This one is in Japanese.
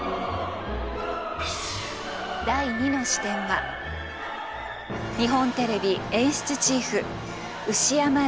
第２の視点は日本テレビ演出チーフ